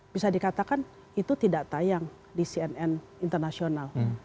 bisa dikatakan itu tidak tayang di cnn internasional